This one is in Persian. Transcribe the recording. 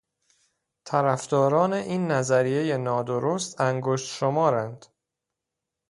طرفداران این نظریهُ نادرست انگشت شمار اند.